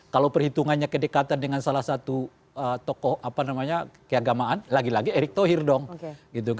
kalau perhitungannya kedekatan dengan salah satu tokoh keagamaan lagi lagi erick tohir dong